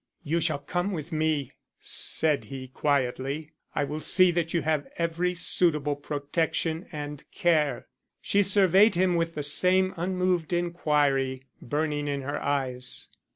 "You shall come with me," said he quietly. "I will see that you have every suitable protection and care." She surveyed him with the same unmoved inquiry burning in her eyes.